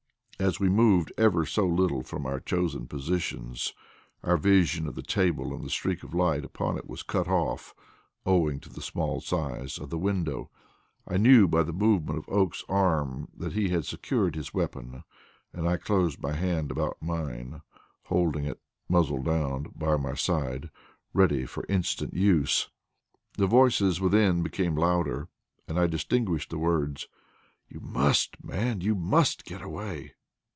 As we moved ever so little from our chosen positions, our vision of the table and the streak of light upon it was cut off, owing to the small size of the window. I knew by the movement of Oakes's arm that he had secured his weapon, and I closed my hand about mine, holding it muzzle down by my side, ready for instant use. The voices within, became louder, and I distinguished the words: "You must, man, you MUST get away."